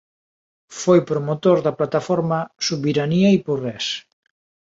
Foi promotor da plataforma Sobirania i Progrés.